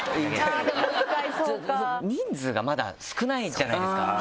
人数がまだ少ないじゃないですか。